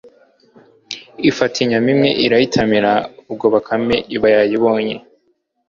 ifata inyama imwe irayitamira, ubwo bakame iba yayibonye